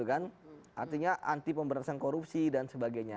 artinya anti pemberantasan korupsi dan sebagainya